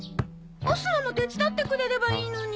干すのも手伝ってくれればいいのに。